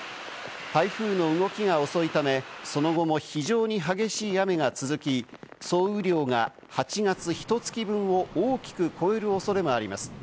台風の動きが遅いため、その後も非常に激しい雨が続き、総雨量が８月ひと月分を大きく超える恐れもあります。